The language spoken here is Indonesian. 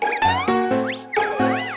gigi permisi dulu ya mas